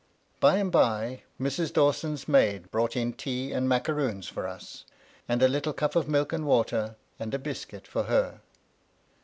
By and by Mrs. Dawson's maid brought in tea and macaroons for us, and a little cup of milk and water and a biscuit for her.